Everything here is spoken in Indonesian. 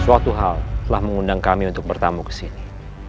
suatu hal telah mengundang kami untuk bertamu kesini